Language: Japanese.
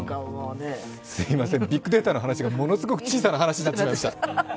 すいません、ビッグデータの話がものすごく小さな話になっちゃいました。